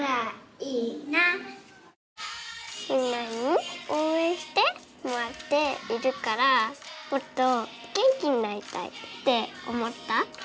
みんなに応援してもらっているからもっと元気になりたいって思った。